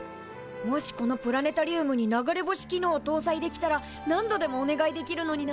もしこのプラネタリウムに流れ星機能をとうさいできたら何度でもお願いできるのにな。